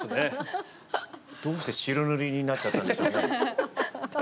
どうして白塗りになっちゃったんでしょうね。